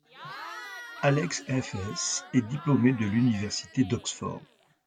Alex Heffes est diplômé de l'université d'Oxford.